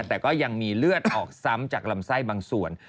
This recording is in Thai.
แต่ก็ยังมีเลือดออกซ้ำจากลำไส้บางส่วน